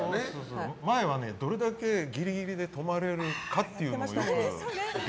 前は、どれだけギリギリで止まれるかっていう。